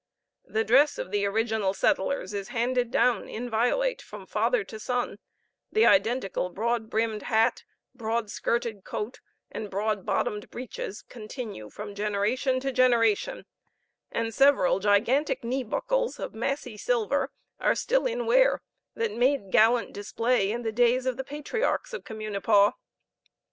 The dress of the original settlers is handed down inviolate from father to son the identical broad brimmed hat, broad skirted coat, and broad bottomed breeches continue from generation to generation; and several gigantic knee buckles of massy silver are still in wear that made gallant display in the days of the patriarchs of Communipaw.